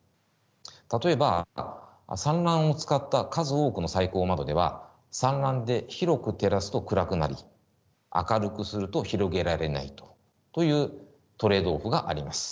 例えば散乱を使った数多くの採光窓では散乱で広く照らすと暗くなり明るくすると広げられないというトレードオフがあります。